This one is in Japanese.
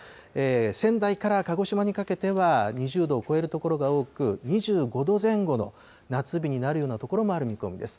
仙台から鹿児島にかけては２０度を超える所が多く、２５度前後の夏日になるような所もある見込みです。